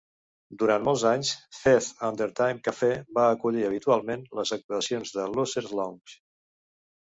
Durant molts anys, Fez under Time Cafe va acollir habitualment les actuacions del Loser's Lounge.